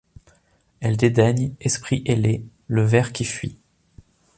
Elle dédaigne, esprit ailé, le ver qui fuit